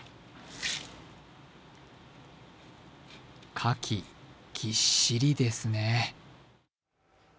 かき、ぎっしりですね。